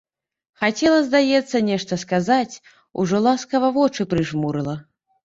Хацела, здаецца, нешта сказаць, ужо ласкава вочы прыжмурыла.